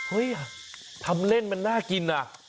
เฮ้ยทำเล่นมันน่ากินอ่ะ